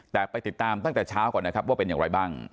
แต่ไปติดตามตั้งแต่เช้าก่อนนะครับว่าเป็นอย่างไรบ้าง